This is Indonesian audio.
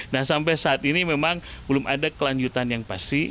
nah sampai saat ini memang belum ada kelanjutan yang pasti